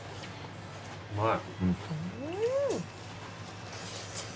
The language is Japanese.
うまい。